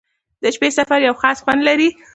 • د شپې سفر یو خاص خوند لري.